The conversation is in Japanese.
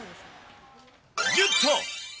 ギュッと。